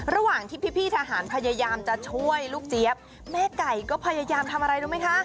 ระหว่างที่พี่ทหารพยายามจะช่วยลูกเจี๊ยบแม่ไก่ก็พยายามทำอะไรรู้ไหมคะ